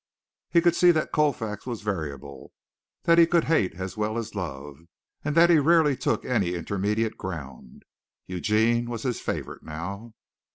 He could see that Colfax was variable, that he could hate as well as love, and that he rarely took any intermediate ground. Eugene was his favorite now.